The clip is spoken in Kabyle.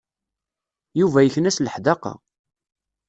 Yuba yekna s leḥdaqa.